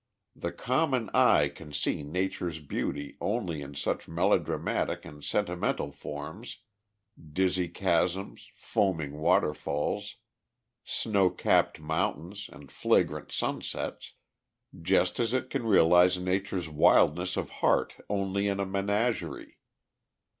The common eye can see Nature's beauty only in such melodramatic and sentimental forms dizzy chasms, foaming waterfalls, snow capped mountains and flagrant sunsets, just as it can realize Nature's wildness of heart only in a menagerie.